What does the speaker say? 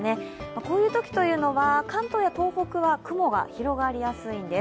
こういうときは関東や東北は雲が広がりやすいんです。